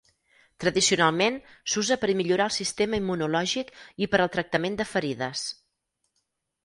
Tradicionalment, s'usa per a millorar el sistema immunològic i per al tractament de ferides.